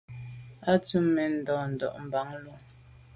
A tù’ mèn nda’nda’ mban lo.